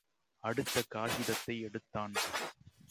அடுத்த காகிதத்தை எடுத்தான்.